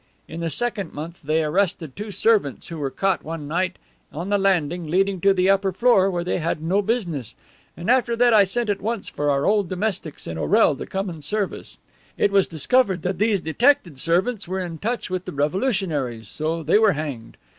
In the second month they arrested two servants who were caught one night on the landing leading to the upper floor, where they had no business, and after that I sent at once for our old domestics in Orel to come and serve us. It was discovered that these detected servants were in touch with the revolutionaries, so they were hanged.